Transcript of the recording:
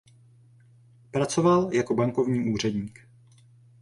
Pracoval jako bankovní úředník.